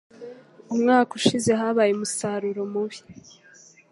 Umwaka ushize, habaye umusaruro mubi.